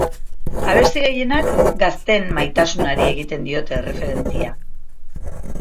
Abesti gehienak gazteen maitasunari egiten diote erreferentzia.